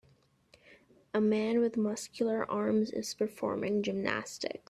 A man with muscular arms is performing gymnastics.